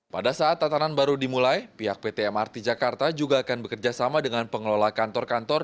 pada saat tatanan baru dimulai pihak pt mrt jakarta juga akan bekerjasama dengan pengelola kantor kantor